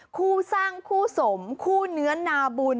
คู่สร้างคู่สมคู่เนื้อนาบุญ